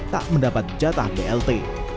tak mendapat jatah blt